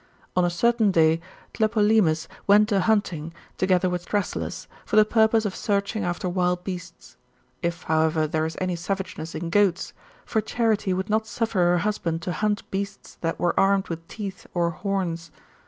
On a certain day| Tlepolemus went a hunting, together with Thrasyllus, for the purpose of searching after wild beasts ; if, however, there is any savageness in goats : for Charite would not suffer her husband to hunt beasts that were armed with teeth or horns.